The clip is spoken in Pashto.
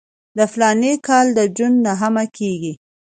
د فلاني کال د جون نهمه کېږي.